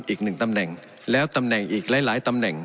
อีกหนึ่งตำแหน่งแล้วตำแหน่งอีกหลายตำแหน่ง